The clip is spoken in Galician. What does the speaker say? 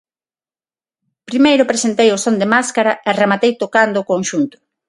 Primeiro presentei o son de máscara e rematei tocando o conxunto.